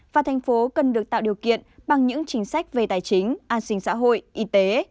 và thành phố cần được tạo điều kiện bằng những chính sách về tài chính an sinh xã hội y tế